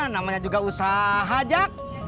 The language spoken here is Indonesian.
namanya juga usaha jak